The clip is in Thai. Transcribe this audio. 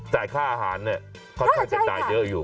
จ่ายค่าอาหารเนี่ยค่อนข้างจะจ่ายเยอะอยู่